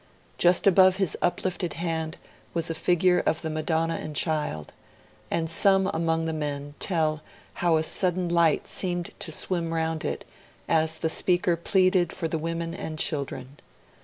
Just above his uplifted hand was a figure of the Madonna and Child; and some among the men tell how a sudden light seemed to swim around it as the speaker pleaded for the women and children.